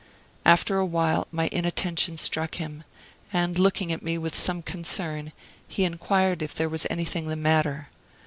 After a while my inattention struck him, and looking at me with some concern, he inquired if there was anything the matter.